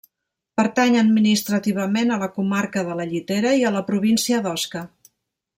Pertany administrativament a la comarca de la Llitera i a la província d'Osca.